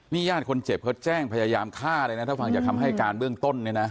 ญาติคนเจ็บเขาแจ้งพยายามฆ่าเลยนะถ้าฟังจากคำให้การเบื้องต้นเนี่ยนะ